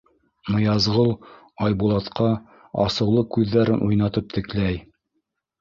Ныязғол Айбулатҡа асыулы күҙҙәрен уйнатып текләй.